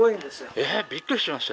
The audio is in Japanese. ええ？びっくりしました。